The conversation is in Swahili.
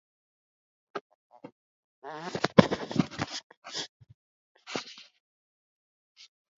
tembo walilaumiwa kwa kumaliza miti kwenye hifadhi